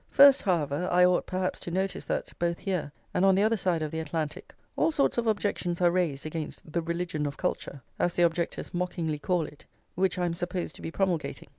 First, however, I ought perhaps to notice that, both here and on the other side of the Atlantic, all sorts of objections are raised against the "religion of culture," as the objectors mockingly call it, which I am supposed to be promulgating.